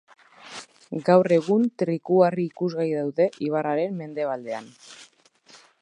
Gaur egun trikuharri ikusgai daude ibarraren mendebaldean.